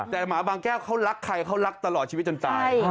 แต่หมาบางแก้วเขารักใครเขารักตลอดชีวิตจนตาย